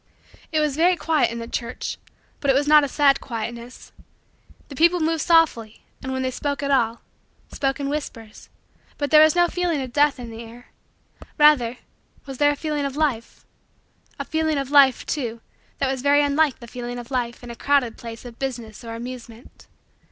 It was very quiet in the church but it was not a sad quietness. The people moved softly and, when they spoke at all, spoke in whispers but there was no feeling of death in the air; rather was there a feeling of life a feeling of life, too, that was very unlike the feeling of life in a crowded place of business or amusement.